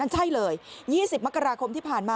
ใช่ครับ